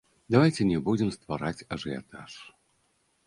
Давайце не будзем ствараць ажыятаж.